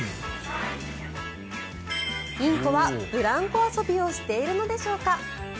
インコはブランコ遊びをしているのでしょうか。